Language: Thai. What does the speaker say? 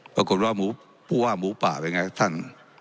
ปรากฏว่าผู้ว่าหมูป่าเป็นไงท่าน